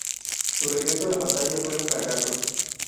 Su regreso a la pantalla fue un fracaso.